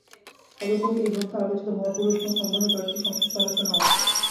তদুপরি এই গ্রন্থে আলোচিত মহাপুরুষগণ সম্বন্ধে কয়েকটি সংক্ষিপ্ত আলোচনাও আছে।